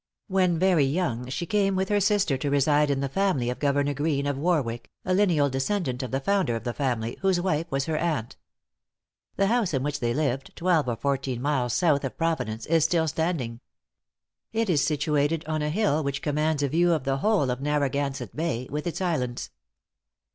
When very young, she came with her sister to reside in the family of Governor Greene, of Warwick, a lineal descendant of the founder of the family, whose wife was her aunt. The house in which they lived, twelve or fourteen miles south of Providence, is still standing. It is situated on a hill, which commands a view of the whole of Narragansett Bay, with its islands.